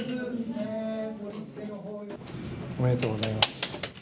おめでとうございます。